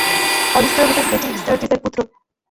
হলিস্টার Mrs Betty স্টার্জিসের পুত্র।